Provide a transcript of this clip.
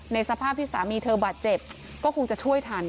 สภาพที่สามีเธอบาดเจ็บก็คงจะช่วยทัน